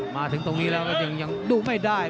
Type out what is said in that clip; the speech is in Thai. มาถึงตรงนี้แล้วก็ยังดูไม่ได้